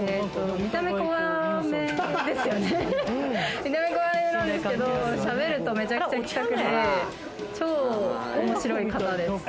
見た目怖めなんですけど、しゃべるとめちゃくちゃ気さくで、超面白い方です！